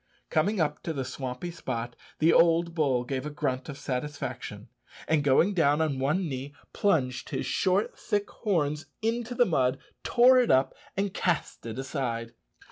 Coming up to the swampy spot, the old bull gave a grunt of satisfaction, and going down on one knee, plunged his short thick horns into the mud, tore it up, and cast it aside.